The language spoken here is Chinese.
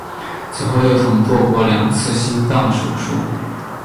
此后又曾做过两次心脏手术。